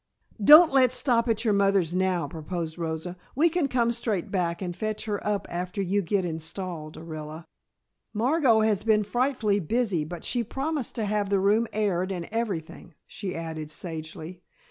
"Don't let's stop at your mother's now," proposed Rosa. "We can come straight back and fetch her up after you get installed, Orilla. Margot has been frightfully busy, but she promised to have the room aired and everything," she added sagely.